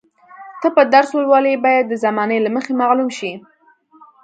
ته به درس ولولې باید د زمانې له مخې معلوم شي.